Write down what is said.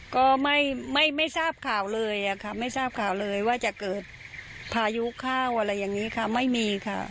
ก็ไม่ทราบข่าวเลยค่ะไม่ทราบข่าวเลยว่าจะเกิดพายุเข้าอะไรอย่างนี้ค่ะไม่มีค่ะ